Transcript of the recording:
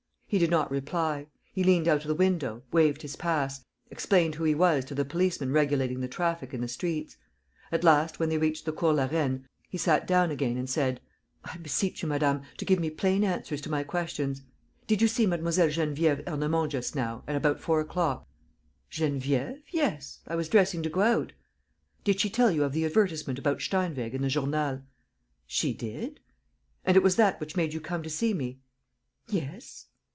He did not reply. He leant out of the window, waved his pass, explained who he was to the policeman regulating the traffic in the streets. At last, when they reached the Cours la Reine, he sat down again and said: "I beseech you, madame, to give me plain answers to my questions. Did you see Mlle. Geneviève Ernemont just now, at about four o'clock?" "Geneviève? ... Yes. ... I was dressing to go out." "Did she tell you of the advertisement about Steinweg in the Journal?" "She did." "And it was that which made you come to see me?" "Yes."